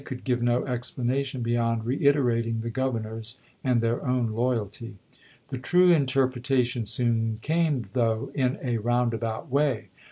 could give no explanation beyond reiterating the Governor's and their own loyalty. The true interpretation soon came, though in a roundabout way.